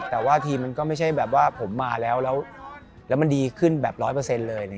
แต่ว่าทีมมันก็ไม่ใช่แบบว่าผมมาแล้วแล้วมันดีขึ้นแบบร้อยเปอร์เซ็นต์เลย